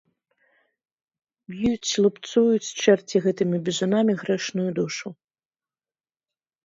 Б'юць, лупцуюць чэрці гэтымі бізунамі грэшную душу.